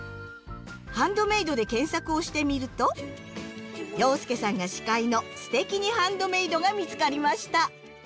「ハンドメイド」で検索をしてみると洋輔さんが司会の「すてきにハンドメイド」が見つかりました。